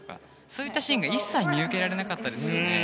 そういったシーンが一切見受けられなかったですよね。